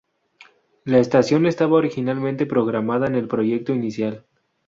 La estación estaba originalmente programada en el proyecto inicial.